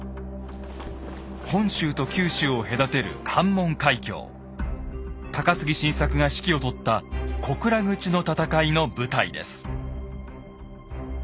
本州と九州を隔てる高杉晋作が指揮を執った「小倉口の戦い」の舞台です。